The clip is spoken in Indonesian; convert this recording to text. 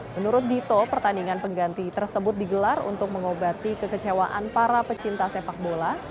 menurut dito pertandingan pengganti tersebut digelar untuk mengobati kekecewaan para pecinta sepak bola